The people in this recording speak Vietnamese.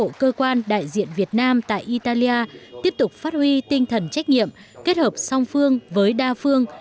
các cơ quan đại diện việt nam tại italia tiếp tục phát huy tinh thần trách nhiệm kết hợp song phương với đa phương